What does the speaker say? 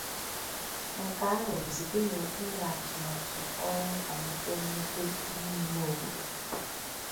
nke a rụrụ site n'okpuru atụmatụ ọrụ nkwàlite mmepe ime-ime obodo